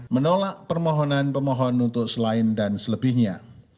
menolak permohonan pemohon untuk selain dan selebihnya